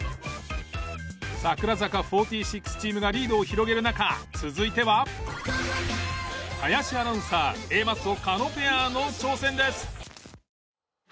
櫻坂４６チームがリードを広げる中続いては林アナウンサーＡマッソ加納ペアの挑戦です。